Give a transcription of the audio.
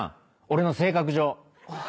俺の性格上。